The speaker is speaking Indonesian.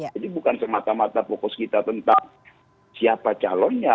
jadi bukan semata mata fokus kita tentang siapa calonnya